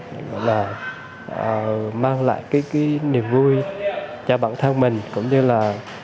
gọi là mang lại cái niềm vui cho bản thân mình cũng như là